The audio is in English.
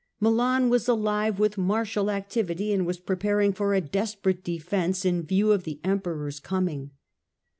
Milan was alive with martial activity and was preparing for a desperate defence in view of the Emperor's coming.